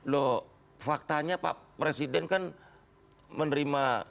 loh faktanya pak presiden kan menerima